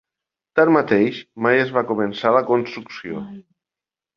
Tanmateix, mai es va començar la construcció.